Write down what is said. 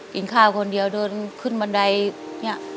กินข้าวคนเดียวเดินขึ้นบันไดเนี่ย